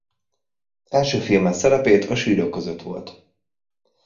Első filmes szerepét a Sírok között volt.